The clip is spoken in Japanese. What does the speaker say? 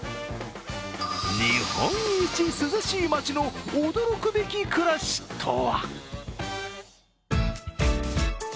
日本一涼しい街の驚くべき暮らしとは。